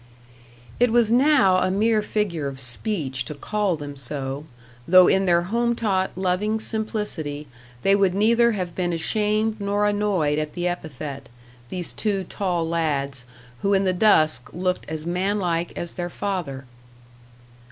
It was now a mere figure of speech to call them so, though in their home taught, loving simplicity, they would neither have been ashamed nor annoyed at the epithet these two tall lads, who in the dusk looked as man like as their father.